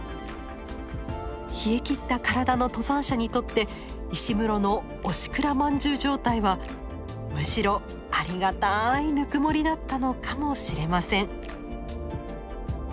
冷えきった体の登山者にとって石室の押しくらまんじゅう状態はむしろありがたいぬくもりだったのかもしれません。